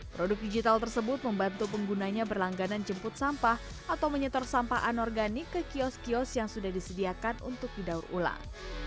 produk digital tersebut membantu penggunanya berlangganan jemput sampah atau menyetor sampah anorganik ke kios kios yang sudah disediakan untuk didaur ulang